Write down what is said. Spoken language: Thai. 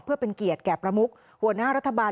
เพื่อเป็นเกียรติแก่ประมุกหัวหน้ารัฐบาล